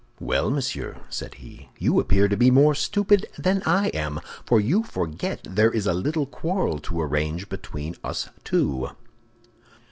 "Well, monsieur," said he, "you appear to be more stupid than I am, for you forget there is a little quarrel to arrange between us two."